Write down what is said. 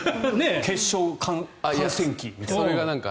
決勝観戦記みたいな。